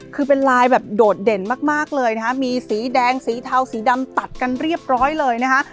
คือเป็นลายแบบโดดเด่นมากเลยนะคะมีสีแดงสีเทาสีดำตัดกันเรียบร้อยเลยนะคะ